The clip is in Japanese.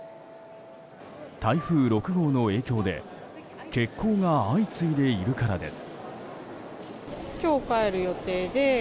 台風６号の影響で欠航が相次いでいるからです。